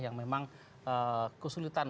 yang memang kesulitan